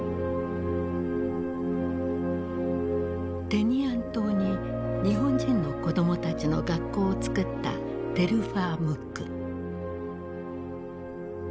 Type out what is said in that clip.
テニアン島に日本人の子供たちの学校を作ったテルファー・ムック。